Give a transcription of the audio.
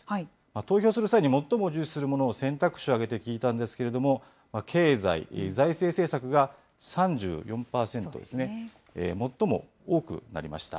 投票する際に最も重視するものを選択肢を挙げて聞いたんですけれども、経済・財政政策が３４％ですね、最も多くなりました。